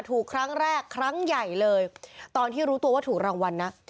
ถูกครั้งแรกครั้งใหญ่เลยตอนที่รู้ตัวว่าถูกรางวัลนะ